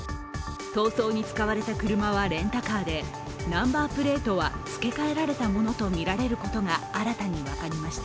逃走に使われた車はレンタカーでナンバープレートはつけ替えられたとみられることが新たに分かりました。